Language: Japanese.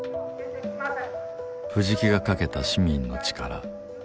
藤木が賭けた市民の力。